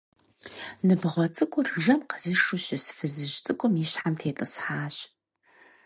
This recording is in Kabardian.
Ныбгъуэ цӀыкӀур жэм къэзышу щыс фызыжь цӀыкӀум и щхьэм тетӀысхьащ.